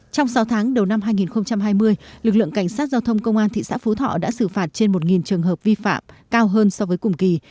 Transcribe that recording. trong sáu tháng đầu năm hai nghìn hai mươi lực lượng cảnh sát giao thông công an thị xã phú thọ đã xử phạt trên một trường hợp vi phạm cao hơn so với cùng kỳ